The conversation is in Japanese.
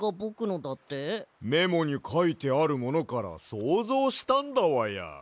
メモにかいてあるものからそうぞうしたんだわや。